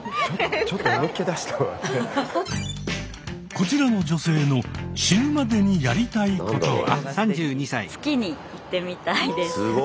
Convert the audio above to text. こちらの女性の死ぬまでにやりたいことは？